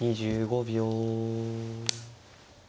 ２５秒。